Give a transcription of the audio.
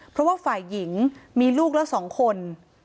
เพราะว่าฝ่ายหญิงมีลูกละ๒คน